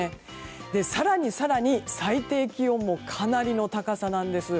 更に更に、最低気温もかなりの高さなんです。